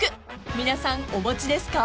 ［皆さんお持ちですか？］